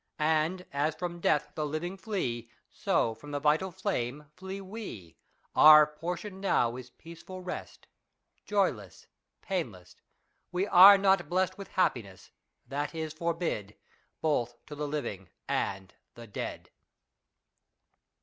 And as from death the living flee, So from the vital flame flee we. Our portion now is peaceful rest. Joyless, painless. We are not blest FREDERICK RUYSCH AND HIS MUMMIES. in With happiness ; that is forbid Both to the livincc and the dead.